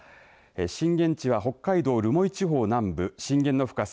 震源地は北海道留萌地方南部震源の深さ